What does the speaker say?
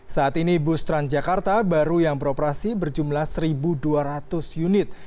saat ini bus transjakarta baru yang beroperasi berjumlah satu dua ratus unit